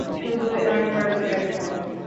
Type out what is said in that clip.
শুধু একবার দেখা!